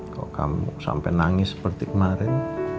kalo kamu sampe nangis seperti kemarin